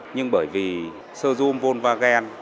nhưng bởi vì showroom volkswagen